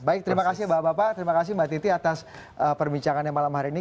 baik terima kasih bapak bapak terima kasih mbak titi atas perbincangannya malam hari ini